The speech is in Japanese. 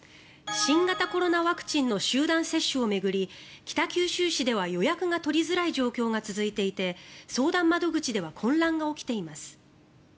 新型コロナワクチンの集団接種を巡り北九州市では予約が取りづらい状況が続いていて相談窓口では混乱が起きています。